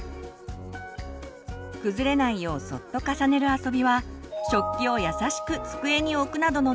崩れないようそっと重ねる遊びは食器をやさしく机に置くなどの動作につながります。